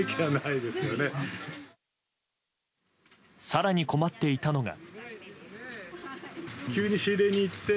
更に困っていたのが。